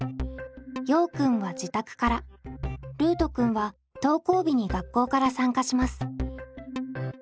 ようくんは自宅からルートくんは登校日に学校から参加します。